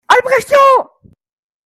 Albrecht, Joh.